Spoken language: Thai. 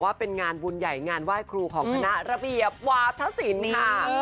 ว่าเป็นงานบุญใหญ่งานไหว้ครูของคณะระเบียบวาธศิลป์ค่ะ